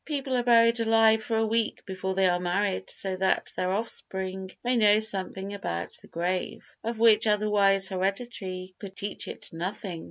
People are buried alive for a week before they are married so that their offspring may know something about the grave, of which, otherwise, heredity could teach it nothing.